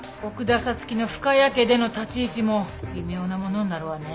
月の深谷家での立ち位置も微妙なものになるわね。